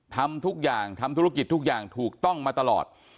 ทำทุกอย่างทำธุรกิจทุกอย่างถูกต้องมาตลอด